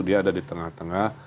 dia ada di tengah tengah